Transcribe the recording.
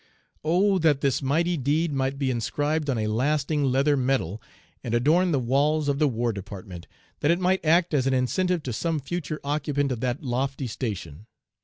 "Oh, that this mighty deed might be inscribed on a lasting leather medal and adorn the walls of the War Department, that it might act as an incentive to some future occupant of that lofty station!